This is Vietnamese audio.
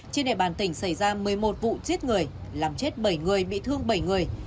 trên địa bàn tỉnh xảy ra một mươi một vụ giết người làm chết bảy người bị thương bảy người